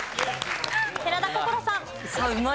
寺田心さん。